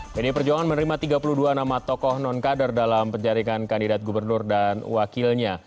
pdi perjuangan menerima tiga puluh dua nama tokoh non kader dalam penjaringan kandidat gubernur dan wakilnya